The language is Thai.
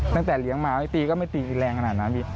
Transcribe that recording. ตั้งแต่เลี้ยงมาตีก็ไม่ตีแรงขนาดนั้นพี่